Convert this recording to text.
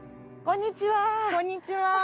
こんにちは。